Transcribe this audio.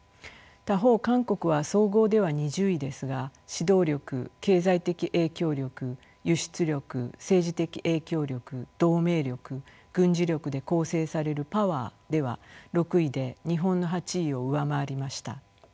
他方韓国は総合では２０位ですが指導力経済的影響力輸出力政治的影響力同盟力軍事力で構成されるパワーでは６位で日本の８位を上回りました。